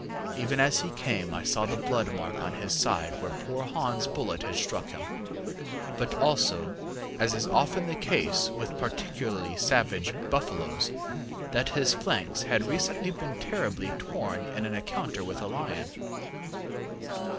Even as he came I saw the blood mark on his side where poor HansŌĆÖ bullet had struck him, and also, as is often the case with particularly savage buffaloes, that his flanks had recently been terribly torn in an encounter with a lion.